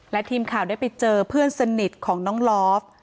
และทีมข่าวได้ไปเจอเพื่อนสนิทของน้องลอฟ